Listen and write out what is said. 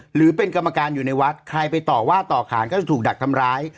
หรือเป็นกรรมการอยู่ในวัดใครไปต่อว่าต่อขานก็จะถูกดักทำร้าย